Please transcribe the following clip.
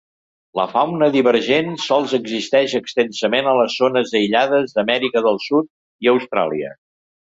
La fauna divergent sols existeix extensament a las zones aïllades d'Amèrica del Sud i Austràlia.